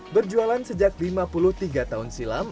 berjualan sejak lima puluh tiga tahun silam